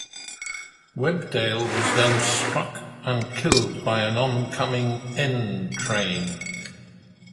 Webdale was then struck and killed by an oncoming N train.